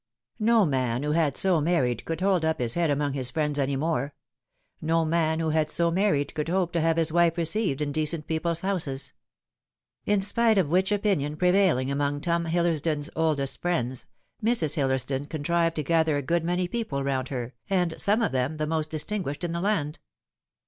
No man who had so married could hold up his head among his friends any more ; no man who had so married could hope to have his wife received in decent people's houses. In spite of which opinion prevailing among Tom Hillersdon's oldest friends Mrs. Hillersdon contrived to gather a good many people round her, and some of them thfe most distinguished in the land.